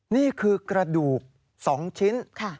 นี่คือกระดูก๒ชิ้น